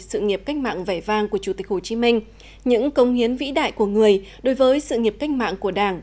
sự nghiệp cách mạng vẻ vang của chủ tịch hồ chí minh những công hiến vĩ đại của người đối với sự nghiệp cách mạng của đảng